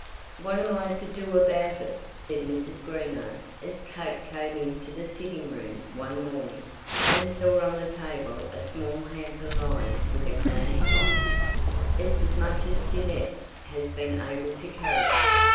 "What am I to do about it?" said Mrs. Greenow, as Kate came into the sitting room one morning, and saw on the table a small hamper lined with a clean cloth. "It's as much as Jeannette has been able to carry."